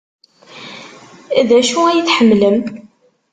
D acu ay tḥemmlem?